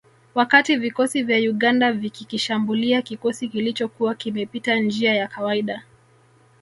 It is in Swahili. Wakati vikosi vya Uganda vikikishambulia kikosi kilichokuwa kimepita njia ya kawaida